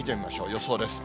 予想です。